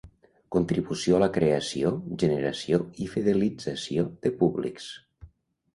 Contribució a la creació, generació i fidelització de públics.